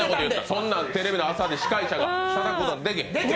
そんなんテレビの朝で、司会者がたたくなんてできへん。